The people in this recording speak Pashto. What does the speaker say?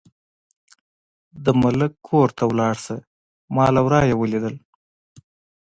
د ملک کور ته لاړه شه، ما له ورايه ولیدل.